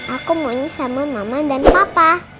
aku mau nyisama mama dan papa